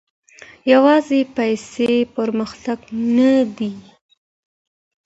يوازي پيسې پرمختګ نه دی.